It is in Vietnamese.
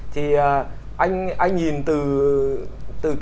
thì anh nhìn từ